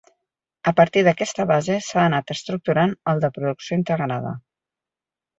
A partir d'aquesta base s'ha anat estructurant el de producció integrada.